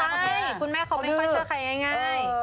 คุณแม่เขาไม่ค่อยเชื่อใครง่าย